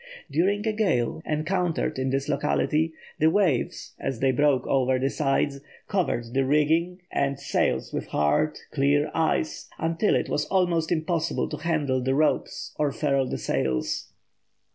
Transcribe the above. During a gale, encountered in this locality, the waves, as they broke over the sides, covered the rigging and sails with hard, clear ice until it was almost impossible to handle the ropes or furl the sails.